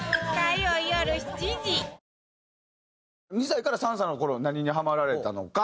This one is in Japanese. ２歳から３歳の頃何にハマられたのか？